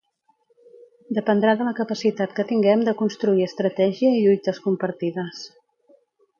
Dependrà de la capacitat que tinguem de construir estratègia i lluites compartides.